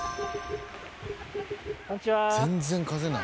こんにちは。